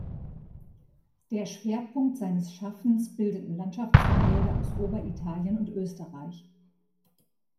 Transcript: Der Schwerpunkt seines Schaffens bildeten Landschaftsgemälde aus Oberitalien und Österreich.